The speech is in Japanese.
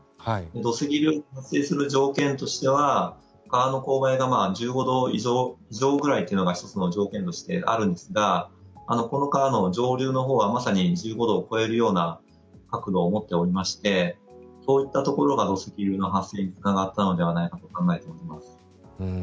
土石流が発生する条件としては川の勾配が１５度以上ぐらいというのが１つの条件としてあるんですがこの川の上流のほうはまさに１５度を超えるような角度を持っておりましてそういったところが土石流の発生につながったのではないかと考えております。